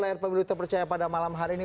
layar pemilu terpercaya pada malam hari ini